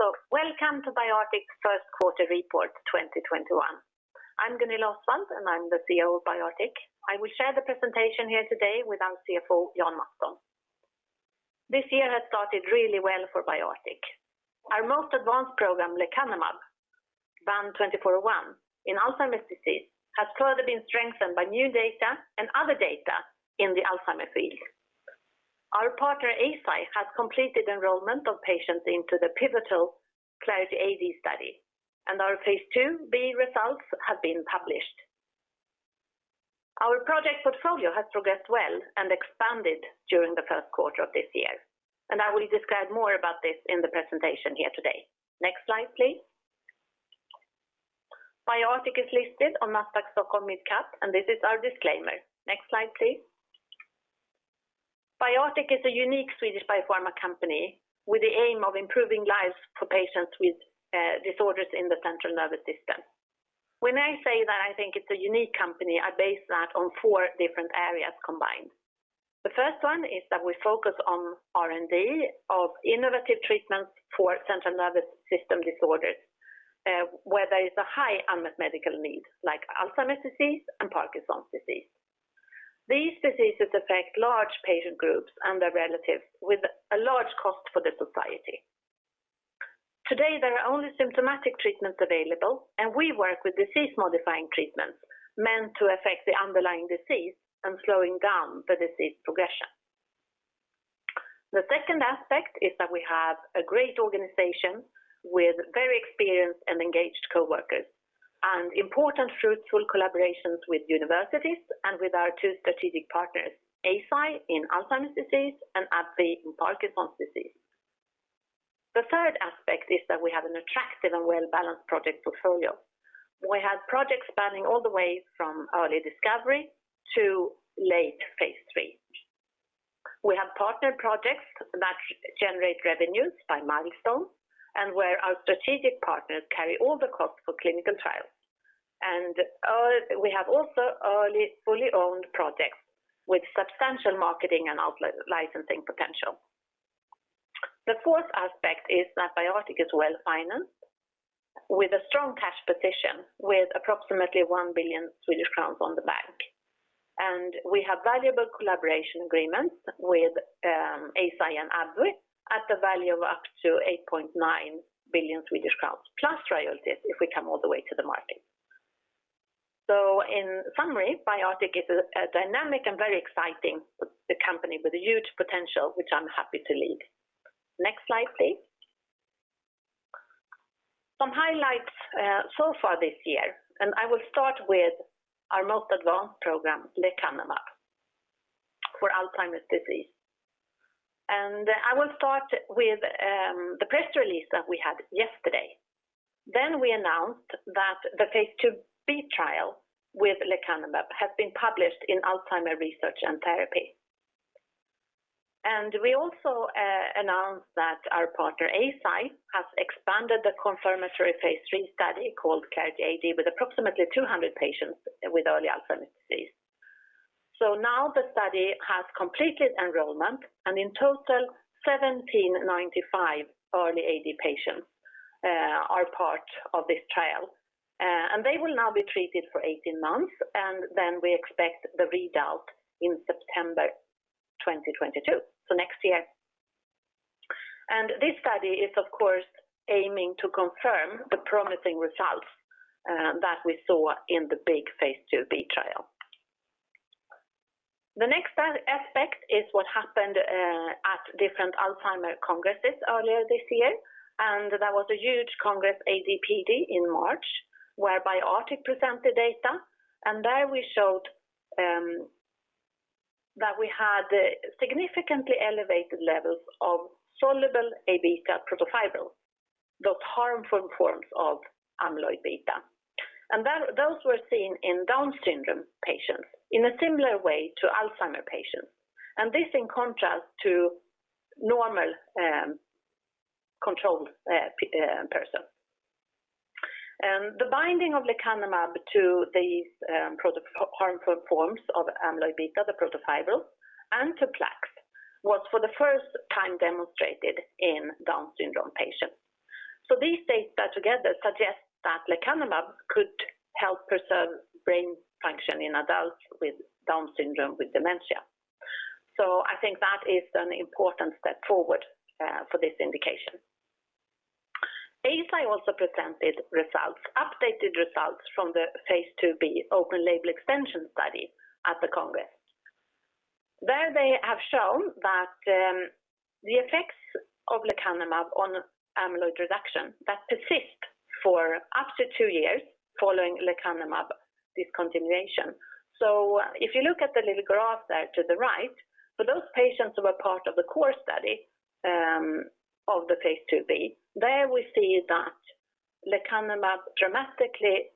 Welcome to BioArctic's first quarter report 2021. I'm Gunilla Osswald, and I'm the CEO of BioArctic. I will share the presentation here today with our CFO, Jan Mattsson. This year has started really well for BioArctic. Our most advanced program, Lecanemab BAN2401 in Alzheimer's disease, has further been strengthened by new data and other data in the Alzheimer field. Our partner, Eisai, has completed enrollment of patients into the pivotal Clarity AD study, and our phase II-B results have been published. Our project portfolio has progressed well and expanded during the first quarter of this year, I will describe more about this in the presentation here today. Next slide, please. BioArctic is listed on Nasdaq Stockholm Mid Cap, This is our disclaimer. Next slide, please. BioArctic is a unique Swedish biopharma company with the aim of improving lives for patients with disorders in the central nervous system. When I say that I think it is a unique company, I base that on four different areas combined. The first one is that we focus on R&D of innovative treatments for central nervous system disorders, where there is a high unmet medical need, like Alzheimer's disease and Parkinson's disease. These diseases affect large patient groups and their relatives with a large cost for the society. Today, there are only symptomatic treatments available, and we work with disease-modifying treatments meant to affect the underlying disease and slowing down the disease progression. The second aspect is that we have a great organization with very experienced and engaged coworkers and important fruitful collaborations with universities and with our two strategic partners, Eisai in Alzheimer's disease and AbbVie in Parkinson's disease. The third aspect is that we have an attractive and well-balanced project portfolio. We have projects spanning all the way from early discovery to late phase III. We have partner projects that generate revenues by milestone and where our strategic partners carry all the cost for clinical trials. We have also early fully owned projects with substantial marketing and out-licensing potential. The fourth aspect is that BioArctic is well-financed with a strong cash position with approximately 1 billion Swedish crowns in the bank. We have valuable collaboration agreements with Eisai and AbbVie at the value of up to 8.9 billion Swedish crowns, plus royalties if we come all the way to the market. In summary, BioArctic is a dynamic and very exciting company with huge potential, which I'm happy to lead. Next slide, please. Some highlights so far this year, and I will start with our most advanced program, Lecanemab, for Alzheimer's disease. I will start with the press release that we had yesterday. We announced that the phase II-B trial with Lecanemab has been published in Alzheimer's Research & Therapy. We also announced that our partner, Eisai, has expanded the confirmatory phase III study called Clarity AD with approximately 200 patients with early Alzheimer's disease. Now the study has completed enrollment, and in total, 1,795 early AD patients are part of this trial. They will now be treated for 18 months, and we expect the readout in September 2022, next year. This study is, of course, aiming to confirm the promising results that we saw in the big phase II-B trial. The next aspect is what happened at different Alzheimer's congresses earlier this year, and there was a huge congress, AD/PD, in March, where BioArctic presented data. There we showed that we had significantly elevated levels of soluble Abeta protofibrils, those harmful forms of amyloid beta. Those were seen in Down syndrome patients in a similar way to Alzheimer's patients, and this in contrast to normal controlled person. The binding of Lecanemab to these harmful forms of amyloid beta, the protofibrils, and to plaques was for the first time demonstrated in Down syndrome patients. These data together suggest that Lecanemab could help preserve brain function in adults with Down syndrome with dementia. I think that is an important step forward for this indication. Eisai also presented results, updated results from the phase II-B open label extension study at the Congress. There they have shown that the effects of Lecanemab on amyloid reduction that persist for up to two years following Lecanemab discontinuation. If you look at the little graph there to the right, for those patients who are part of the core study of the phase II-B, there we see that Lecanemab dramatically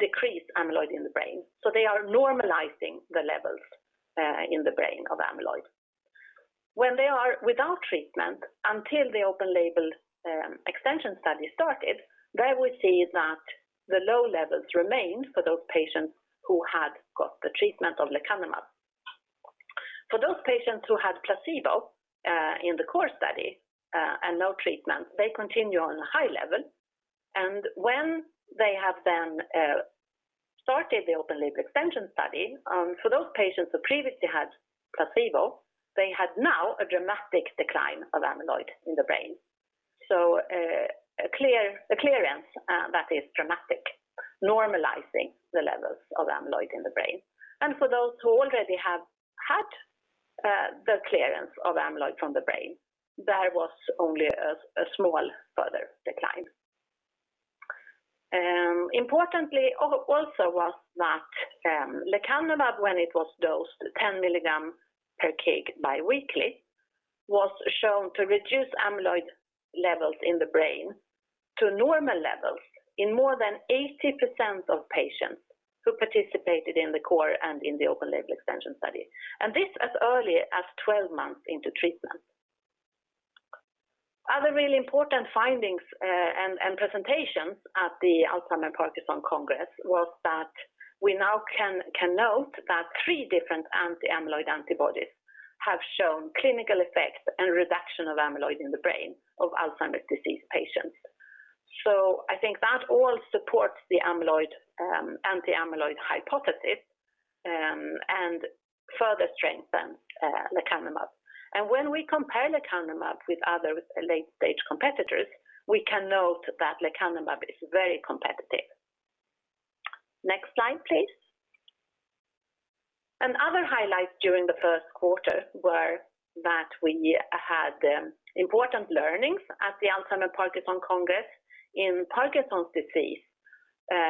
decreased amyloid in the brain. They are normalizing the levels in the brain of amyloid. When they are without treatment until the open label extension study started, there we see that the low levels remained for those patients who had got the treatment of Lecanemab. For those patients who had placebo in the core study and no treatment, they continue on a high level. When they have then started the open label extension study, for those patients who previously had placebo, they had now a dramatic decline of amyloid in the brain. A clearance that is dramatic, normalizing the levels of amyloid in the brain. For those who already have had the clearance of amyloid from the brain, there was only a small further decline. Importantly also was that Lecanemab when it was dosed 10 mg per kg bi-weekly, was shown to reduce amyloid levels in the brain to normal levels in more than 80% of patients who participated in the core and in the open label extension study. This as early as 12 months into treatment. Other really important findings and presentations at the AD/PD was that we now can note that three different anti-amyloid antibodies have shown clinical effects and reduction of amyloid in the brain of Alzheimer's disease patients. I think that all supports the anti-amyloid hypothesis, and further strengthens Lecanemab. When we compare Lecanemab with other late-stage competitors, we can note that Lecanemab is very competitive. Next slide, please. Other highlights during the first quarter were that we had important learnings at the Alzheimer Parkinson Congress in Parkinson's disease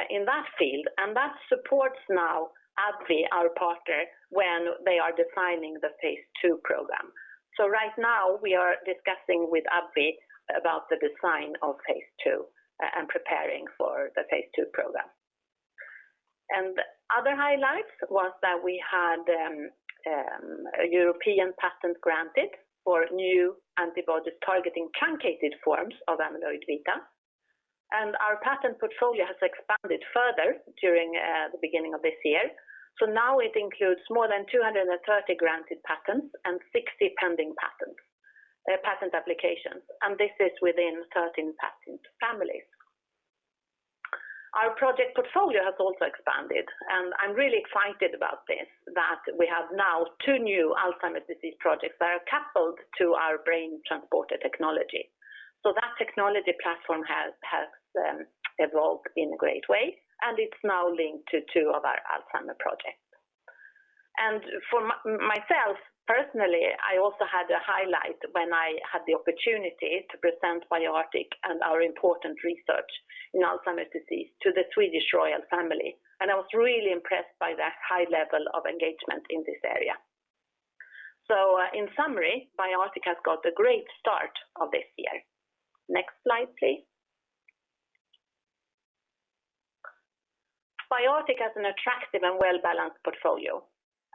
in that field. That supports now AbbVie, our partner, when they are defining the phase II program. Right now we are discussing with AbbVie about the design of phase II and preparing for the phase II program. Other highlights was that we had a European patent granted for new antibodies targeting truncated forms of amyloid beta. Our patent portfolio has expanded further during the beginning of this year. Now it includes more than 230 granted patents and 60 pending patent applications. This is within 13 patent families. Our project portfolio has also expanded, and I'm really excited about this, that we have now two new Alzheimer's disease projects that are coupled to our BrainTransporter technology. That technology platform has evolved in a great way, and it's now linked to two of our Alzheimer's projects. For myself personally, I also had a highlight when I had the opportunity to present BioArctic and our important research in Alzheimer's disease to the Swedish royal family. I was really impressed by that high level of engagement in this area. In summary, BioArctic has got a great start of this year. Next slide, please. BioArctic has an attractive and well-balanced portfolio,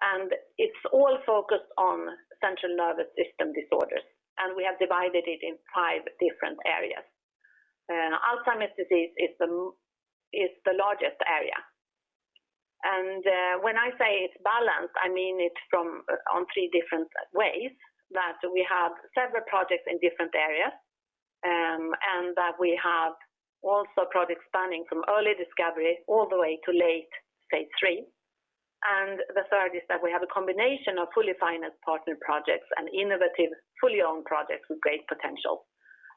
and it's all focused on central nervous system disorders, and we have divided it in five different areas. Alzheimer's disease is the largest area. When I say it's balanced, I mean it on three different ways. That we have several projects in different areas, and that we have also projects spanning from early discovery all the way to late phase III. The third is that we have a combination of fully financed partner projects and innovative, fully owned projects with great potential.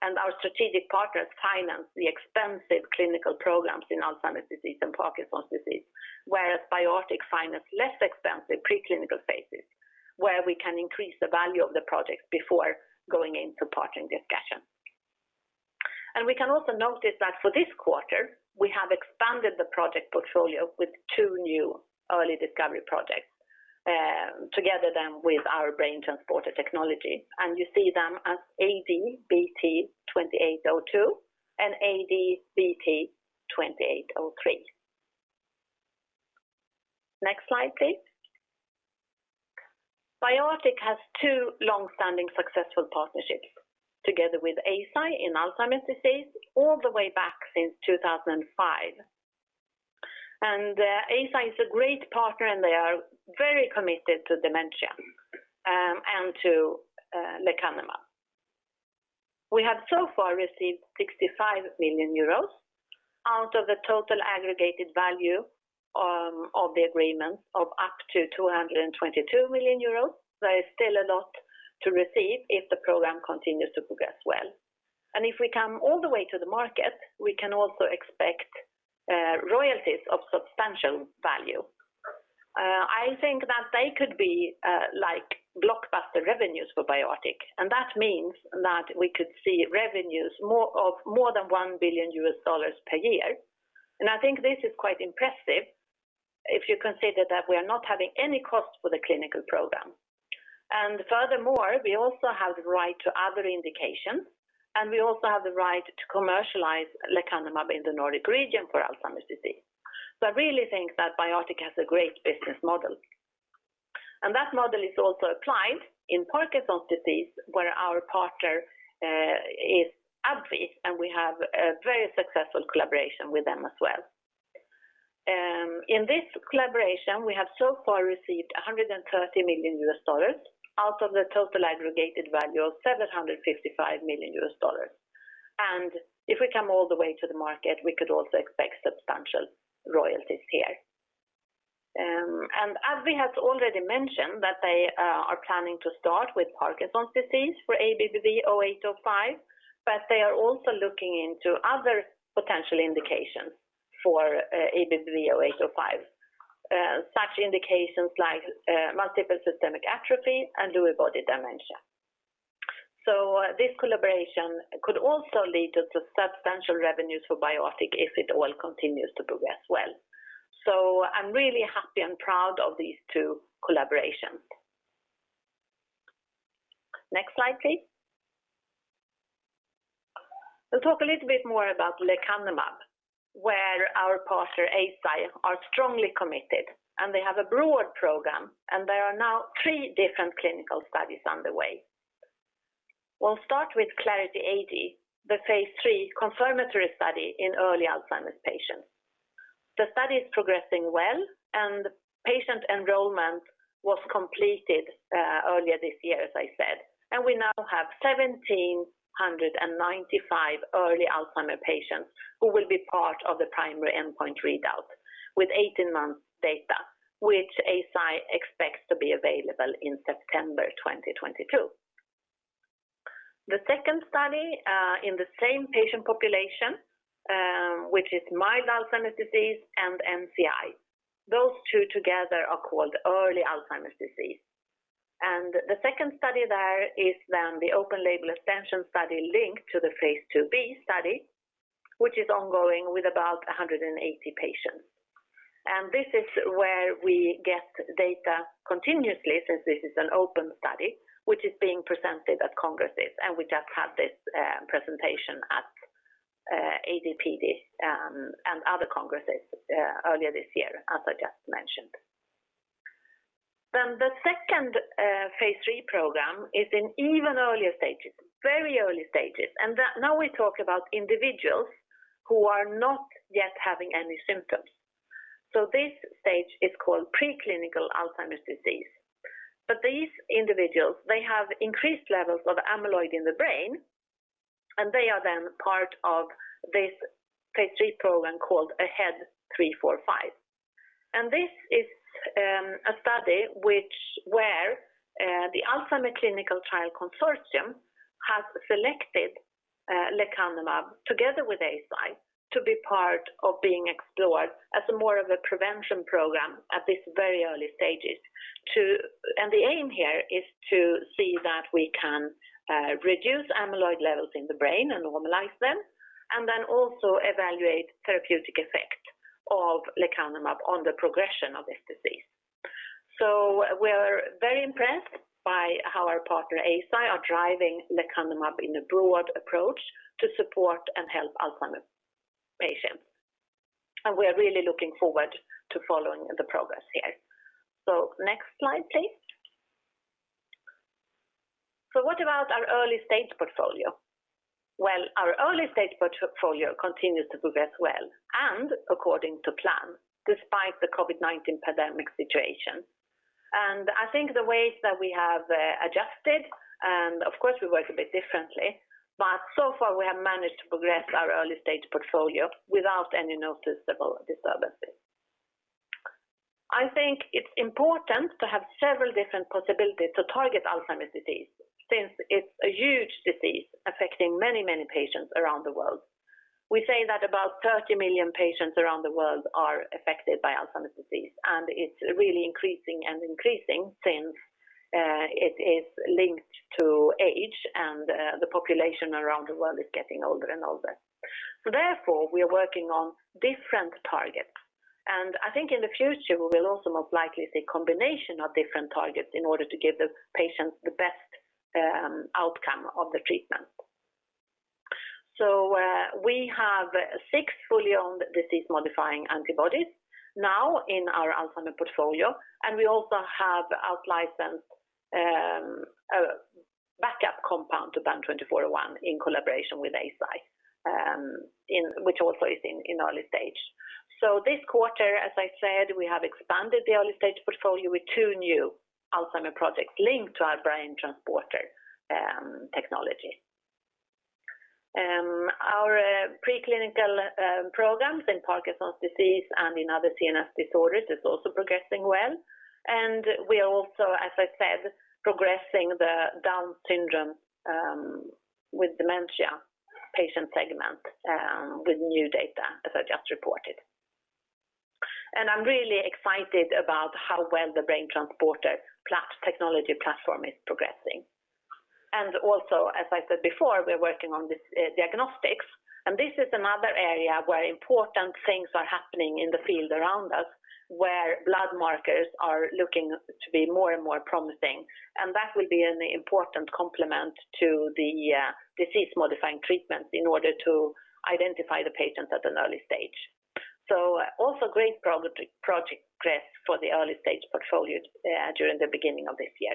Our strategic partners finance the expensive clinical programs in Alzheimer's disease and Parkinson's disease, whereas BioArctic finance less expensive preclinical phases, where we can increase the value of the projects before going into partnering discussions. We can also notice that for this quarter, we have expanded the project portfolio with two new early discovery projects together then with our BrainTransporter technology, and you see them as AD-BT2802 and AD-BT2803. Next slide, please. BioArctic has two longstanding successful partnerships together with Eisai in Alzheimer's disease all the way back since 2005. Eisai is a great partner, and they are very committed to dementia and to Lecanemab. We have so far received 65 million euros out of the total aggregated value of the agreement of up to 222 million euros. There is still a lot to receive if the program continues to progress well. If we come all the way to the market, we can also expect royalties of substantial value. I think that they could be like blockbuster revenues for BioArctic, and that means that we could see revenues of more than $1 billion US per year. I think this is quite impressive if you consider that we are not having any cost for the clinical program. Furthermore, we also have the right to other indications, and we also have the right to commercialize Lecanemab in the Nordic region for Alzheimer's disease. I really think that BioArctic has a great business model. That model is also applied in Parkinson's disease where our partner is AbbVie, and we have a very successful collaboration with them as well. In this collaboration, we have so far received $130 million out of the total aggregated value of $755 million. If we come all the way to the market, we could also expect substantial royalties here. AbbVie has already mentioned that they are planning to start with Parkinson's disease for ABBV-0805, but they are also looking into other potential indications for ABBV-0805. Such indications like Multiple System Atrophy and Lewy Body Dementia. This collaboration could also lead to substantial revenues for BioArctic if it all continues to progress well. I'm really happy and proud of these two collaborations. Next slide, please. We'll talk a little bit more about Lecanemab, where our partner, Eisai, are strongly committed. They have a broad program. There are now three different clinical studies underway. We'll start with Clarity AD, the phase III confirmatory study in early Alzheimer's patients. The study is progressing well. Patient enrollment was completed earlier this year, as I said. We now have 1,795 early Alzheimer patients who will be part of the primary endpoint readout with 18-month data, which Eisai expects to be available in September 2022. The second study in the same patient population, which is mild Alzheimer's disease and MCI. Those two together are called early Alzheimer's disease. The second study there is the open label extension study linked to the phase II-B study, which is ongoing with about 180 patients. This is where we get data continuously, since this is an open study, which is being presented at congresses, and we just had this presentation at AD/PD and other congresses earlier this year, as I just mentioned. The second phase III program is in even earlier stages, very early stages. Now we talk about individuals who are not yet having any symptoms. This stage is called preclinical Alzheimer's disease. These individuals, they have increased levels of amyloid in the brain, and they are then part of this phase III program called AHEAD 3-45. This is a study where the Alzheimer's Clinical Trials Consortium has selected Lecanemab together with Eisai to be part of being explored as more of a prevention program at this very early stages. The aim here is to see that we can reduce amyloid levels in the brain and normalize them, and then also evaluate therapeutic effect of Lecanemab on the progression of this disease. We're very impressed by how our partner, Eisai, are driving Lecanemab in a broad approach to support and help Alzheimer's patients. We are really looking forward to following the progress here. Next slide, please. What about our early-stage portfolio? Well, our early-stage portfolio continues to progress well and according to plan despite the COVID-19 pandemic situation. I think the ways that we have adjusted, and of course we work a bit differently, but so far we have managed to progress our early-stage portfolio without any noticeable disturbances. I think it's important to have several different possibilities to target Alzheimer's disease since it's a huge disease affecting many patients around the world. We say that about 30 million patients around the world are affected by Alzheimer's disease, and it's really increasing and increasing since it is linked to age and the population around the world is getting older and older. Therefore, we are working on different targets. I think in the future, we will also most likely see combination of different targets in order to give the patients the best outcome of the treatment. We have six fully owned disease-modifying antibodies now in our Alzheimer portfolio, and we also have out-licensed a backup compound to BAN2401 in collaboration with Eisai which also is in early stage. This quarter, as I said, we have expanded the early-stage portfolio with two new Alzheimer projects linked to our BrainTransporter technology. Our pre-clinical programs in Parkinson's disease and in other CNS disorders is also progressing well. We are also, as I said, progressing the Down syndrome with dementia patient segment with new data as I just reported. I'm really excited about how well the BrainTransporter technology platform is progressing. Also, as I said before, we're working on this diagnostics, and this is another area where important things are happening in the field around us where blood markers are looking to be more and more promising. That will be an important complement to the disease-modifying treatments in order to identify the patients at an early stage. Also great progress for the early-stage portfolio during the beginning of this year.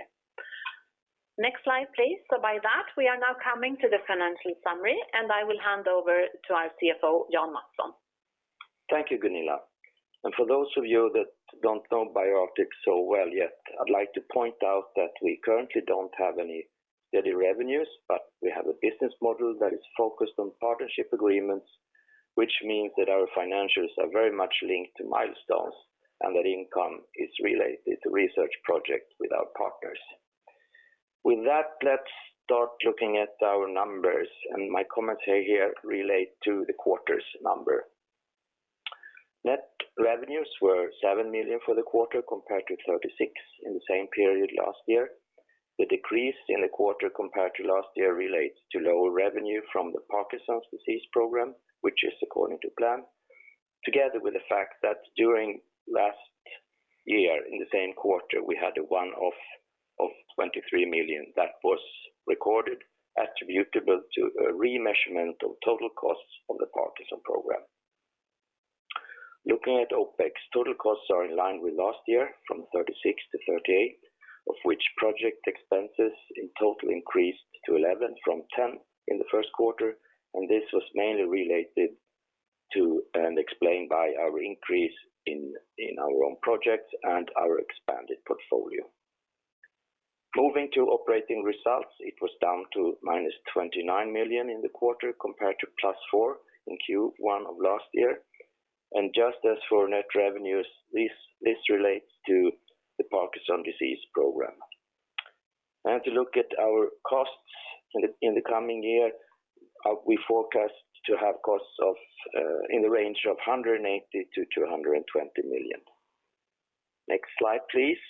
Next slide, please. By that, we are now coming to the financial summary, and I will hand over to our CFO, Jan Mattsson. Thank you, Gunilla. For those of you that don't know BioArctic so well yet, I'd like to point out that we currently don't have any steady revenues, but we have a business model that is focused on partnership agreements, which means that our financials are very much linked to milestones, and that income is related to research projects with our partners. With that, let's start looking at our numbers, and my comments here relate to the quarter's number. Net revenues were 7 million for the quarter, compared to 36 million in the same period last year. The decrease in the quarter compared to last year relates to lower revenue from the Parkinson's disease program, which is according to plan, together with the fact that during last year, in the same quarter, we had a one-off of 23 million that was recorded, attributable to a remeasurement of total costs of the Parkinson program. Looking at OPEX, total costs are in line with last year, from 36-38, of which project expenses in total increased to 11 from 10 in the first quarter. This was mainly related to and explained by our increase in our own projects and our expanded portfolio. Moving to operating results, it was down to -29 million in the quarter, compared to +4 in Q1 of last year. Just as for net revenues, this relates to the Parkinson's disease program. To look at our costs in the coming year, we forecast to have costs in the range of 180 million-220 million. Next slide, please.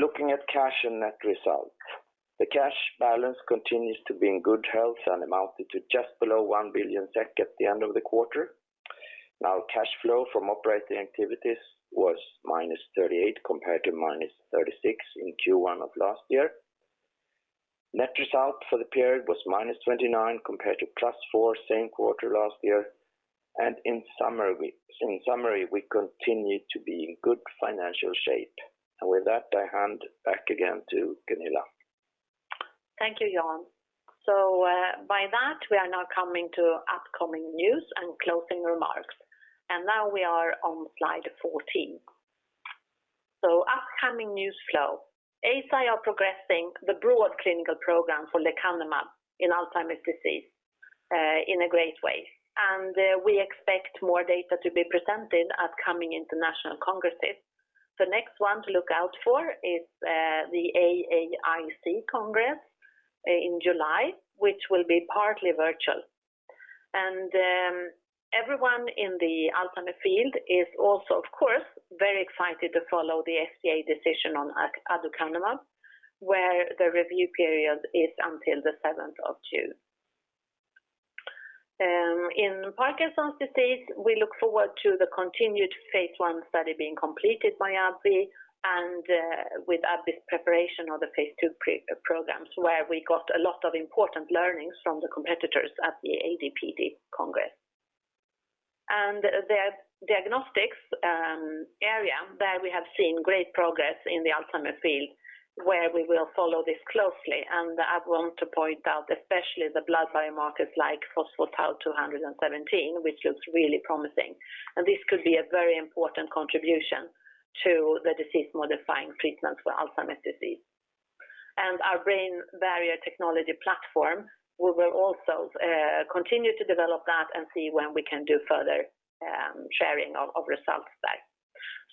Looking at cash and net result. The cash balance continues to be in good health and amounted to just below 1 billion SEK at the end of the quarter. Cash flow from operating activities was -38, compared to -36 in Q1 of last year. Net result for the period was -29, compared to +4 same quarter last year. In summary, we continue to be in good financial shape. With that, I hand back again to Gunilla. Thank you, Jan. By that, we are now coming to upcoming news and closing remarks. Now we are on slide 14. Upcoming news flow. Eisai are progressing the broad clinical program for Lecanemab in Alzheimer's disease in a great way. We expect more data to be presented at coming international congresses. The next one to look out for is the AAIC Congress in July, which will be partly virtual. Everyone in the Alzheimer's field is also, of course, very excited to follow the FDA decision on Aducanumab, where the review period is until the 7th of June. In Parkinson's disease, we look forward to the continued phase I study being completed by AbbVie and with AbbVie's preparation of the phase II programs, where we got a lot of important learnings from the competitors at the AD/PD congress. The diagnostics area, there we have seen great progress in the Alzheimer field, where we will follow this closely. I want to point out especially the blood biomarkers like phospho-tau217, which looks really promising. This could be a very important contribution to the disease-modifying treatment for Alzheimer's disease. Our brain barrier technology platform, we will also continue to develop that and see when we can do further sharing of results there.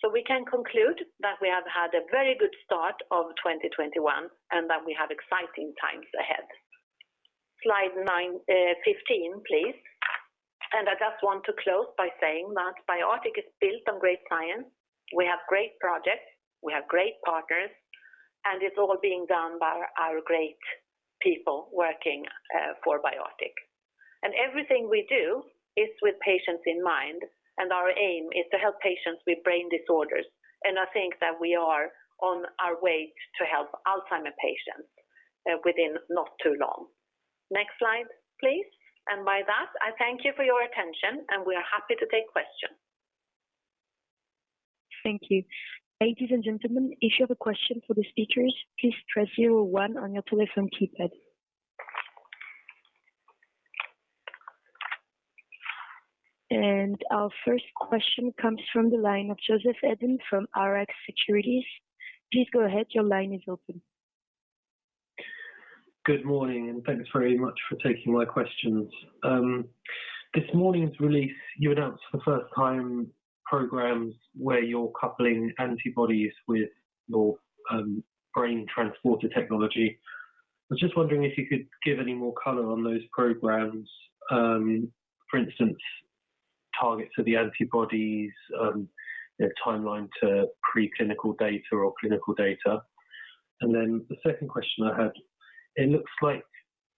We can conclude that we have had a very good start of 2021, and that we have exciting times ahead. Slide 15, please. I just want to close by saying that BioArctic is built on great science. We have great projects. We have great partners, and it's all being done by our great people working for BioArctic. Everything we do is with patients in mind, and our aim is to help patients with brain disorders. I think that we are on our way to help Alzheimer's patients within not too long. Next slide, please. By that, I thank you for your attention, and we are happy to take questions. Thank you. Ladies and gentlemen, if you have a question for the speakers, please press zero one on your telephone keypad. Our first question comes from the line of Joseph Eden from Rx Securities. Please go ahead. Your line is open. Good morning. Thanks very much for taking my questions. This morning's release, you announced for the first time programs where you're coupling antibodies with your BrainTransporter technology. I was just wondering if you could give any more color on those programs. For instance, targets for the antibodies, their timeline to preclinical data or clinical data. The second question I had, it looks like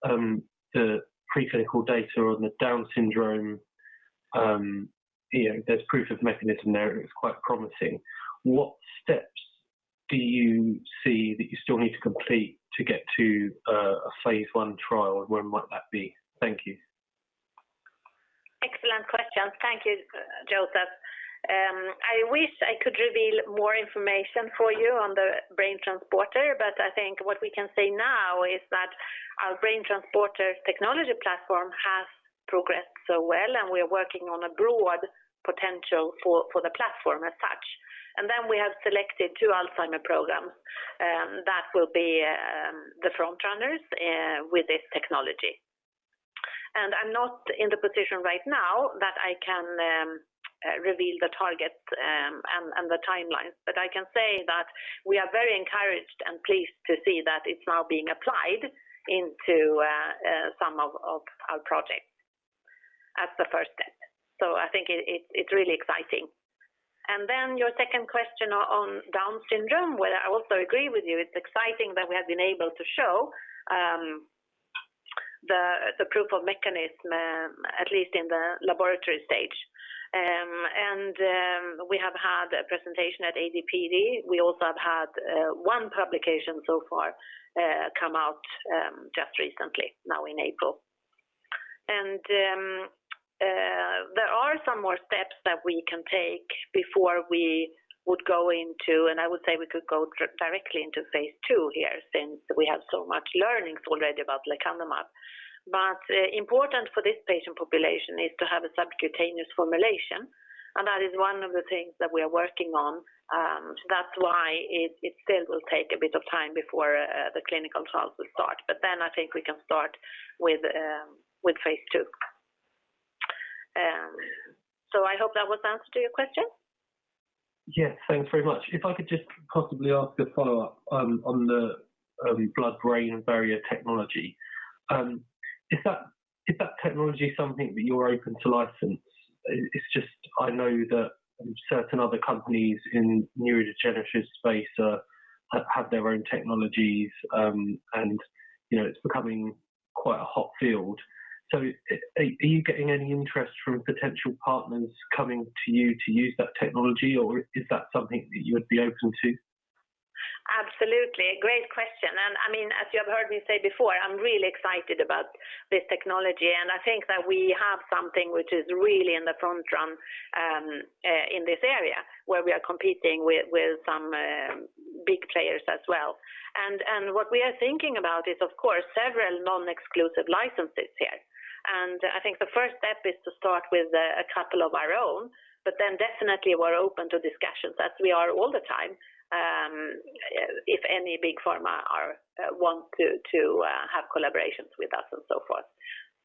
the preclinical data on the Down syndrome, there's proof of mechanism there that was quite promising. What steps do you see that you still need to complete to get to a phase I trial, and when might that be? Thank you. Thank you, Joseph. I wish I could reveal more information for you on the BrainTransporter, but I think what we can say now is that our BrainTransporter technology platform has progressed so well, and we are working on a broad potential for the platform as such. We have selected two Alzheimer programs that will be the front runners with this technology. I'm not in the position right now that I can reveal the targets and the timelines, but I can say that we are very encouraged and pleased to see that it's now being applied into some of our projects as the first step. I think it's really exciting. Your second question on Down syndrome, where I also agree with you, it's exciting that we have been able to show the proof of mechanism, at least in the laboratory stage. We have had a presentation at AD/PD. We also have had one publication so far come out just recently, now in April. There are some more steps that we can take before we would go into, and I would say we could go directly into phase II here since we have so much learnings already about Lecanemab. Important for this patient population is to have a subcutaneous formulation, and that is one of the things that we are working on. That's why it still will take a bit of time before the clinical trials will start. I think we can start with phase II. I hope that was the answer to your question. Yes. Thanks very much. If I could just possibly ask a follow-up on the blood-brain barrier technology. Is that technology something that you are open to license? It's just I know that certain other companies in neurodegenerative space have their own technologies, and it's becoming quite a hot field. Are you getting any interest from potential partners coming to you to use that technology, or is that something that you would be open to? Absolutely. Great question. As you have heard me say before, I'm really excited about this technology, and I think that we have something which is really in the front run in this area where we are competing with some big players as well. What we are thinking about is, of course, several non-exclusive licenses here. I think the first step is to start with a couple of our own, but then definitely we're open to discussions as we are all the time if any big pharma want to have collaborations with us and so forth.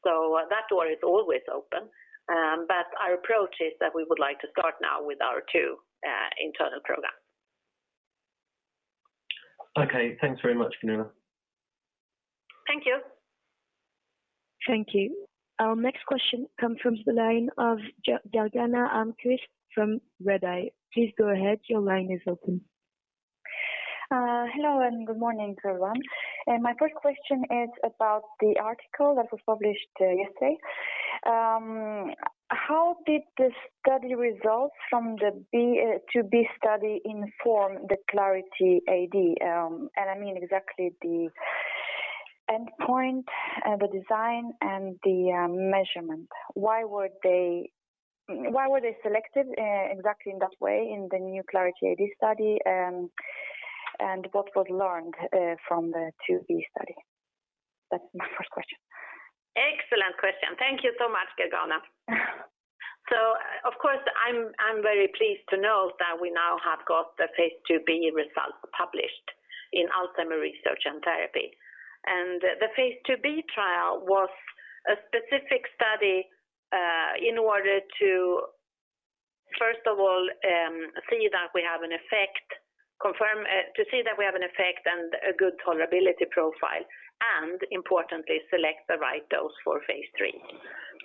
That door is always open. Our approach is that we would like to start now with our two internal programs. Okay. Thanks very much, Gunilla. Thank you. Thank you. Our next question comes from the line of Gergana Almquist from Redeye. Please go ahead. Your line is open. Hello, and good morning, everyone. My first question is about the article that was published yesterday. How did the study results from the II-B study inform the Clarity AD? I mean exactly the endpoint, the design, and the measurement. Why were they selected exactly in that way in the new Clarity AD study, and what was learned from the II-B study? That's my first question. Excellent question. Thank you so much, Gergana. Of course, I'm very pleased to know that we now have got the phase II-B results published in Alzheimer's Research & Therapy. The phase II-B trial was a specific study in order to first of all to see that we have an effect and a good tolerability profile, and importantly, select the right dose for phase III.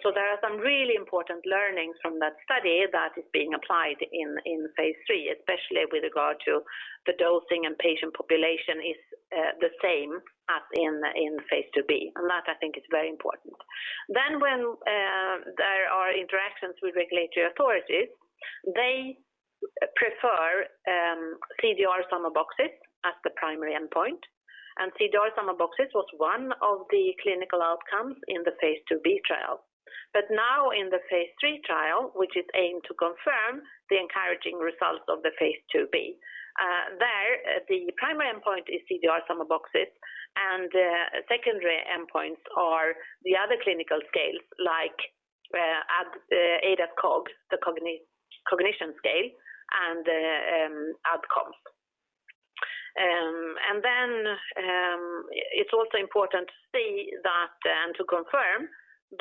There are some really important learnings from that study that is being applied in phase III, especially with regard to the dosing and patient population is the same as in phase II-B. That I think is very important. When there are interactions with regulatory authorities, they prefer CDR-SB as the primary endpoint, and CDR-SB was one of the clinical outcomes in the phase II-B trial. Now in the phase III trial, which is aimed to confirm the encouraging results of the phase II-B, the primary endpoint is CDR-SB, and secondary endpoints are the other clinical scales like ADAS-Cog, the cognition scale, and ADCOMS. Then it's also important to see that and to confirm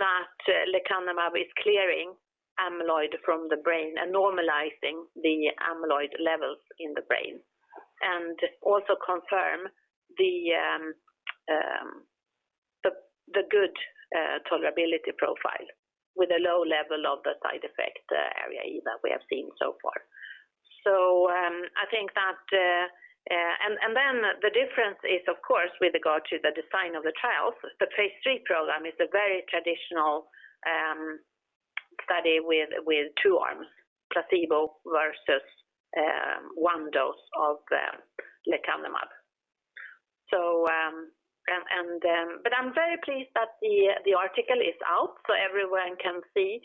that Lecanemab is clearing amyloid from the brain and normalizing the amyloid levels in the brain. Also confirm the good tolerability profile with a low level of the side effect ARIA-E that we have seen so far. Then the difference is, of course, with regard to the design of the trials, the phase III program is a very traditional study with two arms, placebo versus one dose of Lecanemab. I'm very pleased that the article is out so everyone can see.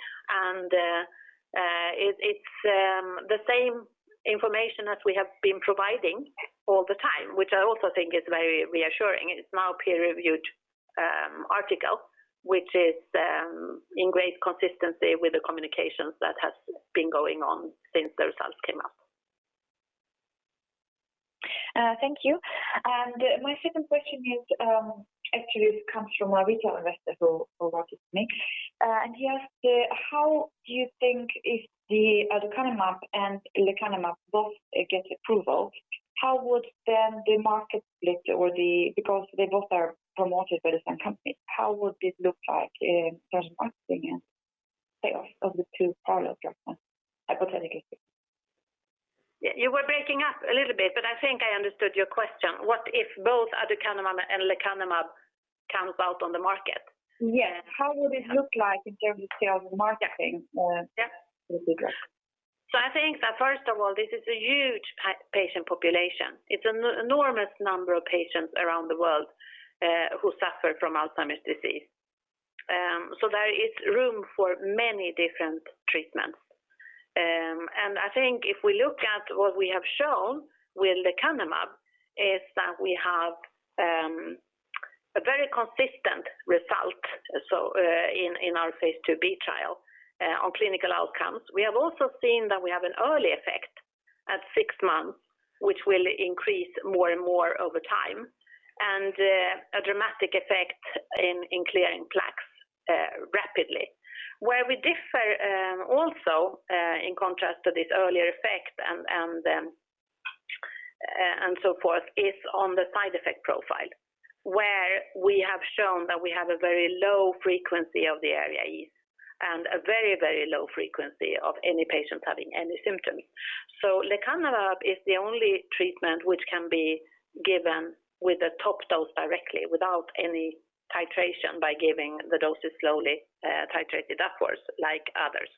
It's the same information that we have been providing all the time, which I also think is very reassuring. It's now a peer-reviewed article, which is in great consistency with the communications that has been going on since the results came out. Thank you. My second question actually comes from a retail investor who wrote it to me. He asked, how do you think if the Aducanumab and Lecanemab both get approval, how would then the market split, because they both are promoted by the same company. How would this look like in terms of marketing and sales of the two parallel treatments, hypothetically? You were breaking up a little bit, but I think I understood your question. What if both Aducanumab and Lecanemab comes out on the market? Yes. How would it look like in terms of sales and marketing? Yeah. For the two drugs. I think that first of all, this is a huge patient population. It's an enormous number of patients around the world who suffer from Alzheimer's disease. There is room for many different treatments. I think if we look at what we have shown with Lecanemab, is that we have a very consistent result in our phase II-B trial on clinical outcomes. We have also seen that we have an early effect at six months, which will increase more and more over time, and a dramatic effect in clearing plaques rapidly. Where we differ also, in contrast to this earlier effect and so forth, is on the side effect profile, where we have shown that we have a very low frequency of the ARIA-E, and a very low frequency of any patients having any symptoms. Lecanemab is the only treatment which can be given with a top dose directly without any titration by giving the doses slowly titrated upwards like others.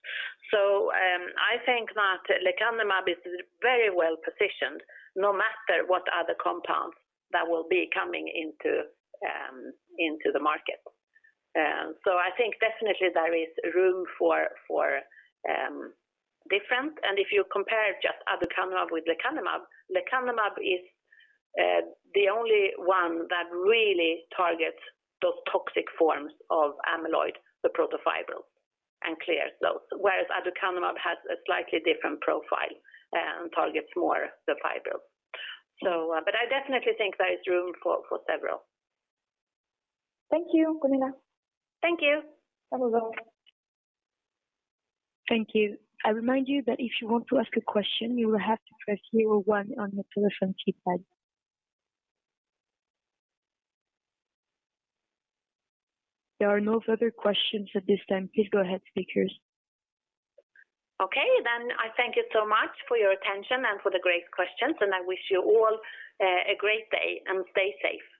I think that Lecanemab is very well positioned no matter what other compounds that will be coming into the market. I think definitely there is room for difference. If you compare just Aducanumab with Lecanemab is the only one that really targets those toxic forms of amyloid, the protofibril, and clears those. Whereas aducanumab has a slightly different profile and targets more the fibril. I definitely think there is room for several. Thank you, Gunilla. Thank you. Have a good one. Thank you. I remind you that if you want to ask a question, you will have to press zero or one on your telephone keypad. There are no further questions at this time. Please go ahead, speakers. Okay. I thank you so much for your attention and for the great questions, and I wish you all a great day. Stay safe.